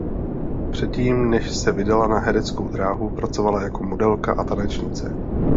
Předtím než se vydala na hereckou dráhu pracovala jako modelka a tanečnice.